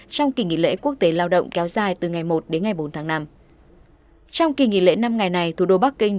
trong kỳ nghỉ lễ quốc tế lao động kéo dài từ ngày một đến ngày bốn tháng năm